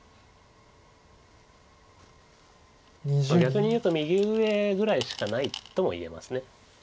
逆に言うと右上ぐらいしかないとも言えます。